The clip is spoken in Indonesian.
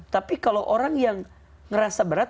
tapi kalau orang yang ngerasa berat